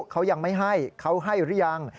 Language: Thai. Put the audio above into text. เขายังไม่ให้เขาให้หรือยัง